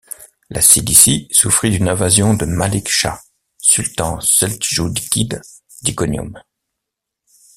La Cilicie souffrit d'une invasion de Malik Shah, sultan seldjoukide d'Iconium.